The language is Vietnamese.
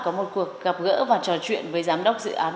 có một cuộc gặp gỡ và trò chuyện với giám đốc dự án